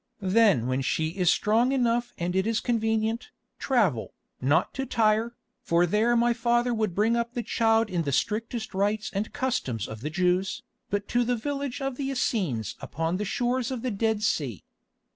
Then when she is strong enough and it is convenient, travel, not to Tyre—for there my father would bring up the child in the strictest rites and customs of the Jews—but to the village of the Essenes upon the shores of the Dead Sea.